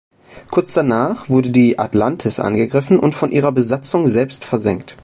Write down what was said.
Kurz danach wurde die "Atlantis" angegriffen und von ihrer Besatzung selbstversenkt.